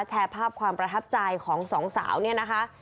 แชร์ภาพความประทับใจของสองสาวเนี่ยนะคะ